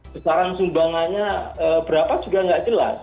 besaran sumbangannya berapa juga nggak jelas